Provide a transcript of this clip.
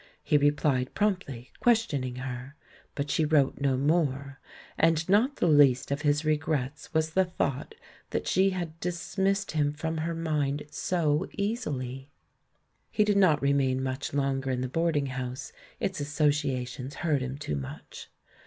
He replied prompt ly, questioning her; but she wrote no more, and not the least of his regrets was the thought that she had dismissed him from her mind so easily. THE MAN WHO UNDERSTOOD WOMEN 11 He did not remain much longer in the board ing house, its associations hurt him too much.